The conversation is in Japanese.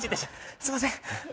すいません